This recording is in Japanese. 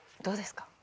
どうですか？